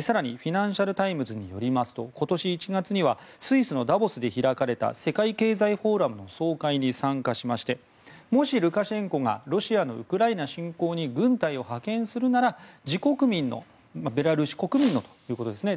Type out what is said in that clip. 更にフィナンシャル・タイムズによりますと今年１月にはスイスのダボスで開かれた世界経済フォーラムの総会に参加しましてもし、ルカシェンコがロシアのウクライナ侵攻に軍隊を派遣するなら自国民の、ベラルーシ国民のということですね。